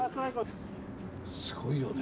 すごいよね。